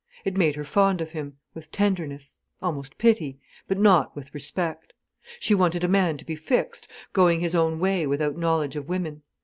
It made her fond of him, with tenderness, almost pity, but not with respect. She wanted a man to be fixed, going his own way without knowledge of women.